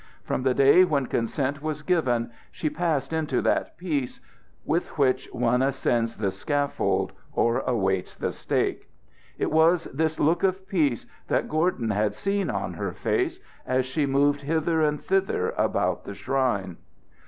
From the day when consent was given she passed into that peace with which one ascends the scaffold or awaits the stake. It was this look of peace that Gordon had seen on her face as she moved hither and thither about the shrine.